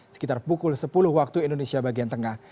sekitar pukul sepuluh waktu indonesia bagian tengah